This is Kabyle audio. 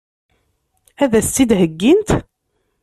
Ad as-tt-id-heggint?